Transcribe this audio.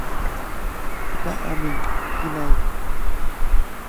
এটা আমি, কিনাই।